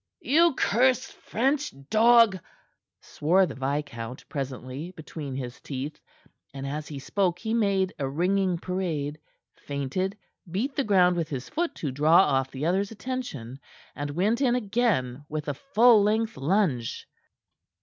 "You cursed French dog!" swore the viscount presently, between his teeth, and as he spoke he made a ringing parade, feinted, beat the ground with his foot to draw off the other's attention, and went in again with a full length lunge.